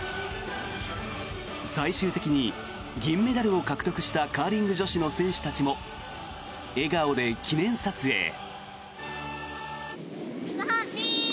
最終的に銀メダルを獲得したカーリング女子の選手たちも笑顔で記念撮影。